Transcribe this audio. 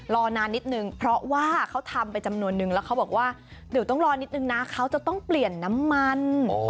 รอนานนิดนึงเพราะว่าเขาทำไปจำนวนนึงแล้วเขาบอกว่าเดี๋ยวต้องรอนิดนึงนะเขาจะต้องเปลี่ยนน้ำมัน